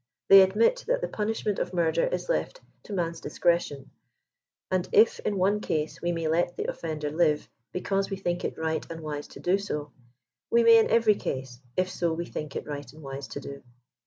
They admit that the punishment of murder is left to man's discretion ; and if in one case we may let the offender live because we think it right and wise to do so, we may in every case, if 1^0 we think it right and wise to do.